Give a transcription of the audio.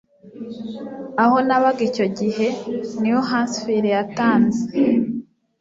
Aho nabaga icyo gihe, New Hampshire yatanze